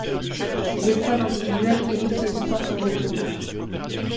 Les épreuves individuelles élites et espoirs sont regroupées.